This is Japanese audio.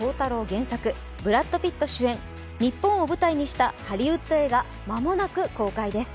原作、ブラッド・ピット主演、日本を舞台にしたハリウッド映画、間もなく公開です。